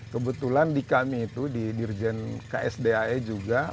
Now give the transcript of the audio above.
kebetulan di kami itu di dirjen ksdae juga